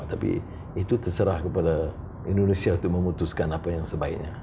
tapi itu terserah kepada indonesia untuk memutuskan apa yang sebaiknya